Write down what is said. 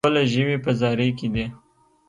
ټوله ژوي په زاري کې دي.